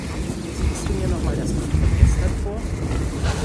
Singst du mir noch mal das Lied von gestern vor?